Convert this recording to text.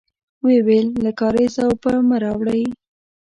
ويې ويل: له کارېزه اوبه مه راوړی!